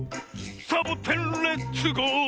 「サボテンレッツゴー！」